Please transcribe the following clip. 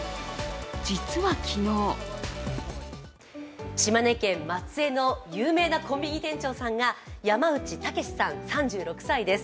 実は昨日島根県・松江の有名なコンビニ店長さんが山内剛さん３６歳です。